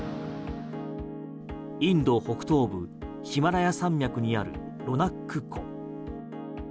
インド北東部ヒマラヤ山脈にあるロナック湖。